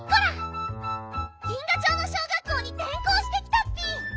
銀河町の小学校にてん校してきたッピ！